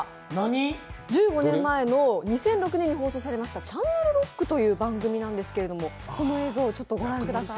１５年前の２００６年に放送されました「チャンネル★ロック！」という番組なんですけどその映像をちょっと御覧ください。